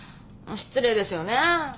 失礼ですよねえ。